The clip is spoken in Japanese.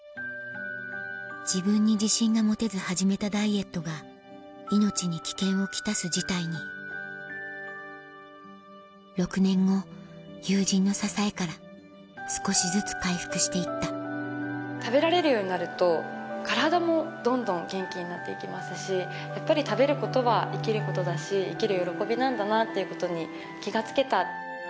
自分に自信が持てず始めたダイエットが命に危険を来す事態に６年後友人の支えから少しずつ回復していった食べられるようになると体もどんどん元気になっていきますしやっぱり食べることは生きることだし生きる喜びなんだなということに気が付けた。